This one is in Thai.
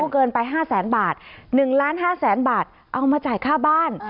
ผู้เกินไป๕๐๐๐๐๐บาท๑๕๐๐๐๐๐บาทเอามาจ่ายค่าบ้าน